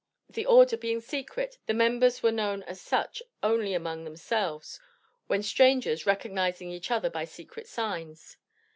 The order being secret, the members were known as such only among themselves, when strangers, recognizing each other by secret signs.